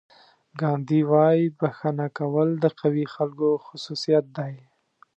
ګاندي وایي بښنه کول د قوي خلکو خصوصیت دی.